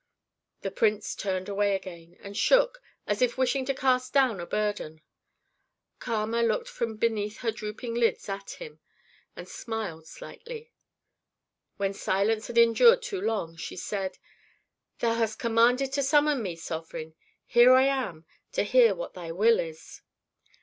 The prince turned away again, and shook as if wishing to cast down a burden. Kama looked from beneath her drooping lids at him, and smiled slightly. When silence had endured too long, she said, "Thou hast commanded to summon me, Sovereign. Here I am, to hear what thy will is."